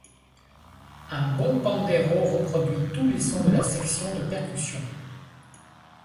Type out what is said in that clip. Un bon pandeiro reproduit tous les sons de la section de percussions.